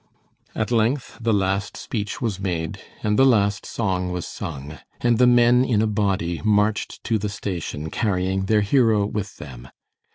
At length the last speech was made, and the last song was sung, and the men in a body marched to the station carrying their hero with them.